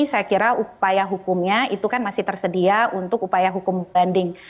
saya kira upaya hukumnya itu kan masih tersedia untuk upaya hukum banding